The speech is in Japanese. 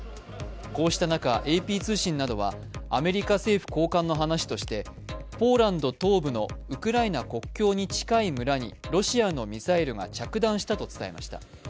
こうした中、ＡＰ通信などはアメリカ政府高官の話として、ポーランド東部のウクライナ国境に近い村にロシアのミサイルが着弾したと伝えました。